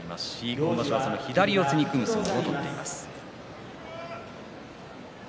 今場所はその左四つに組む相撲が多くなっています。